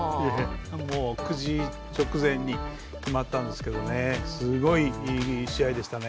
９時直前に決まったんですけどね、すごい試合でしたね。